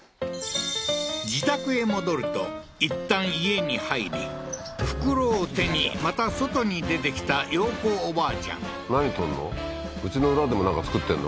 自宅へ戻るといったん家に入り袋を手にまた外に出てきた洋子おばあちゃん何取んの？